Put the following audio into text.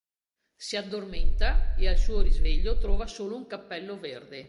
Si addormenta, e al suo risveglio trova solo un cappello verde.